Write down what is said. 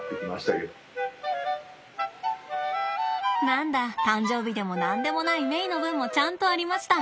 何だ誕生日でも何でもないメイの分もちゃんとありました。